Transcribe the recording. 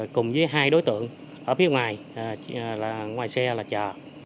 cùng với hai đối tượng ở phía ngoài là ngoài xe là chờ